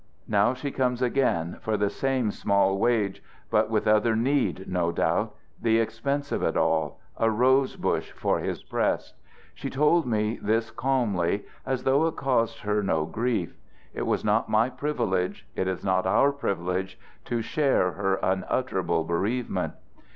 Now she comes again for the same small wage, but with other need, no doubt: the expenses of it all, a rose bush for his breast. She told me this calmly as though it caused her no grief. It was not my privilege, it is not our privilege, to share her unutterable bereavement.